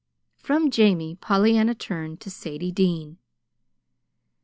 From Jamie Pollyanna turned to Sadie Dean.